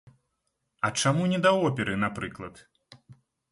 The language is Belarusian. А чаму не да оперы, напрыклад?